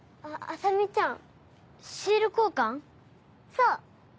そう！